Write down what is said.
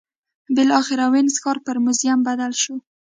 بالاخره وینز ښار پر موزیم بدل شو